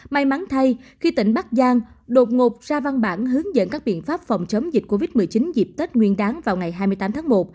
may mắn thay khi tỉnh bắc giang đột ngột ra văn bản hướng dẫn các biện pháp phòng chống dịch covid một mươi chín dịp tết nguyên đáng vào ngày hai mươi tám tháng một